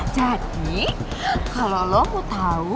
jadi kalo lu mau tau